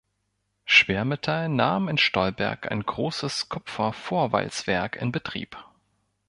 Schwermetall nahm in Stolberg ein großes Kupfer-Vorwalzwerk in Betrieb.